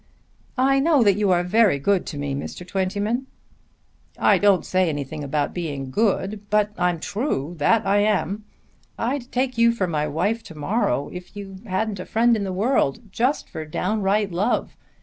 "I know that you are very good to me, Mr. Twentyman." "I don't say anything about being good; but I'm true: that I am. I'd take you for my wife to morrow if you hadn't a friend in the world, just for downright love.